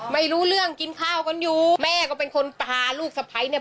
ไม่รู้เรื่องกินข้าวกันอยู่แม่ก็เป็นคนพาลูกสะพ้ายเนี่ย